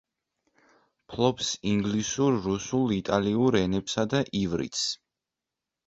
ფლობს ინგლისურ, რუსულ, იტალიურ ენებსა და ივრითს.